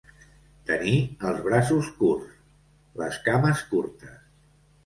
Tenir els braços curts, les cames curtes.